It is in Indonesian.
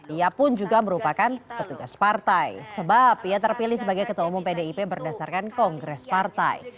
ia pun juga merupakan petugas partai sebab ia terpilih sebagai ketua umum pdip berdasarkan kongres partai